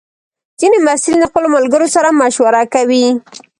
ځینې محصلین د خپلو ملګرو سره مشوره کوي.